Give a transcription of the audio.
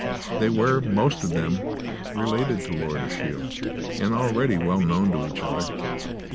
They were most of them related to Lord Ashiel and already well known to each other.